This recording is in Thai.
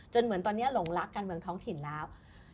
เหมือนตอนนี้หลงรักการเมืองท้องถิ่นแล้ว